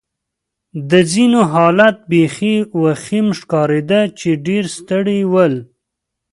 د ځینو حالت بېخي وخیم ښکارېده چې ډېر ستړي ول.